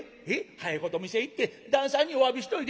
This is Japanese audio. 「早いことお店へ行って旦さんにおわびしておいで」。